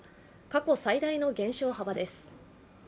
過去最大の減少幅です。